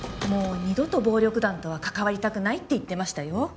もう二度と暴力団とは関わりたくないって言ってましたよ